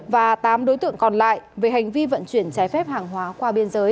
và tám đối tượng còn lại về hành vi vận chuyển trái phép hàng hóa qua biên giới